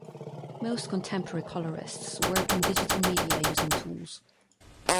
Most contemporary colorists work in digital media using tools.